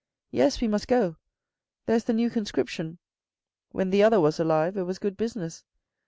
" Yes, we must go. There's the new conscription. When the other was alive it was good business.